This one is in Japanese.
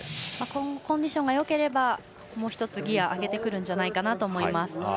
今後、コンディションがよければもう１つギヤを上げてくると思います。